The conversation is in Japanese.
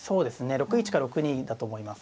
６一か６二だと思います。